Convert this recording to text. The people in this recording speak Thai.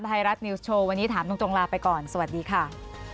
ไทยรัฐนิวส์โชว์วันนี้ถามตรงลาไปก่อนสวัสดีค่ะ